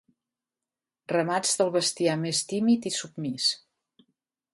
Ramats del bestiar més tímid i submís.